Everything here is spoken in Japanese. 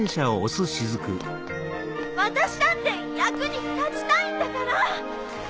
私だって役に立ちたいんだから！